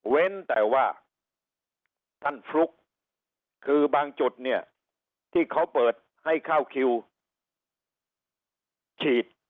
แต่ว่าท่านฟลุกคือบางจุดเนี่ยที่เขาเปิดให้เข้าคิวฉีด